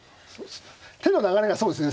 手の流れがそうですね